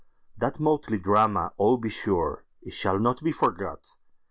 That motley drama—oh, be sureIt shall not be forgot!